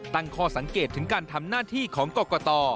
ตั้งข้อสังเกตถึงการทำหน้าที่ของกรกต